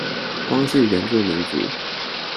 光是原住民族